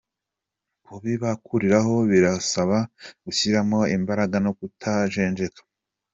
Kubibakuraho birasaba gushyiramo imbaraga no kutajenjeka.